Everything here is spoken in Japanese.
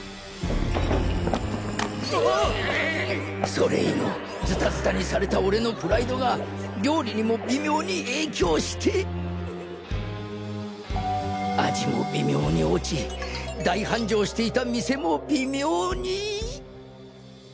それ以後ズタズタにされた俺のプライドが料理にも微妙に影響して味も微妙に落ち大繁盛していた店も微妙に。